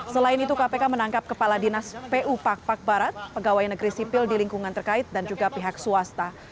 selain itu kpk menangkap kepala dinas pu pak pak barat pegawai negeri sipil di lingkungan terkait dan juga pihak swasta